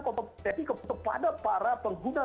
kompetensi kepada para pengguna